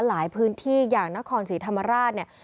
หลายพื้นที่อย่างนครศรีธรรมราชเนี่ย